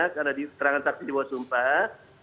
karena di terangkan taksi di bawah sumpah